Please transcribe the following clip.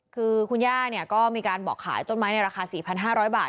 คือคุณย่าก็มีการบอกขายต้นไม้ในราคา๔๕๐๐บาท